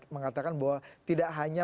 mengatakan bahwa tidak hanya